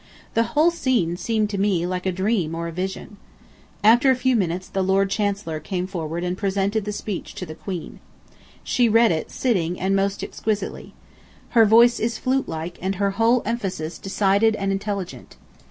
The whole scene seemed to me like a dream or a vision. After a few minutes the Lord Chancellor came forward and presented the speech to the Queen. She read it sitting and most exquisitely. Her voice is flute like and her whole emphasis decided and intelligent.